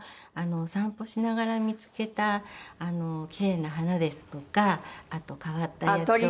散歩しながら見つけた奇麗な花ですとかあと変わった野鳥。